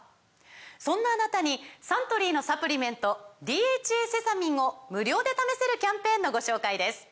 そんなあなたにサントリーのサプリメント「ＤＨＡセサミン」を無料で試せるキャンペーンのご紹介です